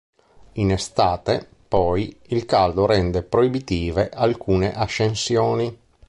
In estate, poi, il caldo rende proibitive alcune ascensioni.